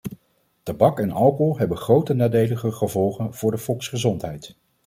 Tabak en alcohol hebben grote nadelige gevolgen voor de volksgezondheid.